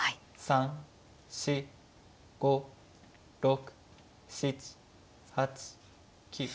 ３４５６７８９。